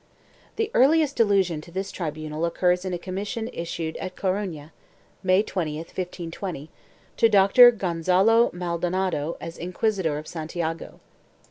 The earliest allusion to this tribunal occurs in a commission issued at Coruna, May 20, 1520, to Doctor Gonzalo Maldonado as Inquisitor of Santiago.